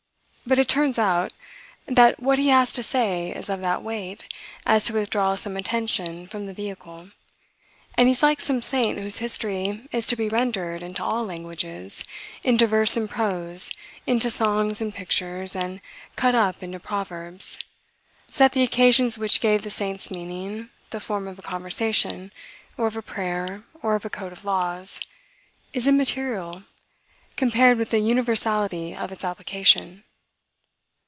But it turns out; that what he has to say is of that weight, as to withdraw some attention from the vehicle; and he is like some saint whose history is to be rendered into all languages, into verse and prose, into songs and pictures, and cut up into proverbs; so that the occasions which gave the saint's meaning the form of a conversation, or of a prayer, or of a code of laws, is immaterial compared with the universality of its application.